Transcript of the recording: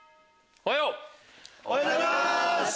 おはようございます！